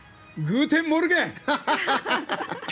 グーテンモルゲン！